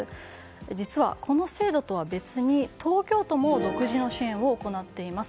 実は、この制度とは別に東京都も独自の支援を行っています。